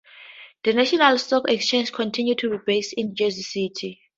The National Stock Exchange continued to be based in Jersey City.